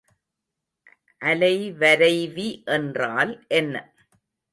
அலைவரைவி என்றால் என்ன?